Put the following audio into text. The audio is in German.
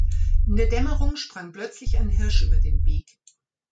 In der Dämmerung sprang plötzlich ein Hirsch über den Weg.